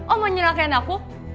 om mau nyalakan aku